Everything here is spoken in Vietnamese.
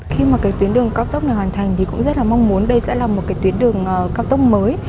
khi mà cái tuyến đường cao tốc này hoàn thành thì cũng rất là mong muốn đây sẽ là một cái tuyến đường cao tốc mới